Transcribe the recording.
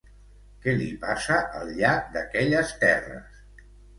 Què li passa al llac d'aquelles terres?